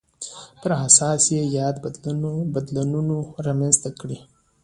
پر اساس یې یاد بدلونونه رامنځته کېږي.